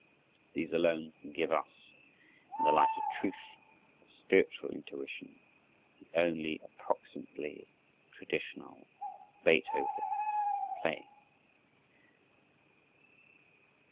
These alone can give us, in the light and truth of spiritual intuition, the only approximately traditional Beethoven playing.